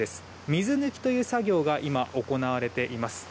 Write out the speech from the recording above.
水抜きという作業が行われています。